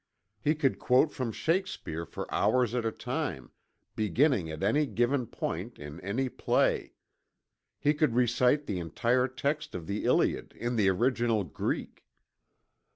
He could quote from Shakespeare for hours at a time beginning at any given point in any play. He could recite the entire text of the Iliad in the original Greek.